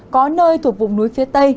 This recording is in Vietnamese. có nơi thuộc vùng núi phía tây